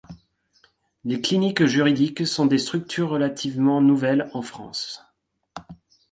Les cliniques juridiques sont des structures relativement nouvelles en France.